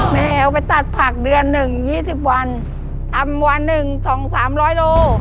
แม่เอาไปตัดผักเดือนหนึ่ง๒๐วันอำวันหนึ่งสองสามร้อยโล